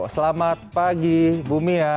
selamat pagi bu mia